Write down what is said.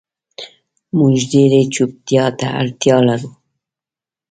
مونږ ډیرې چوپتیا ته اړتیا لرو